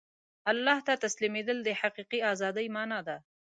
الله ته تسلیمېدل د حقیقي ازادۍ مانا ده.